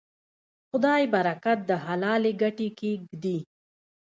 خدای برکت د حلالې ګټې کې ږدي.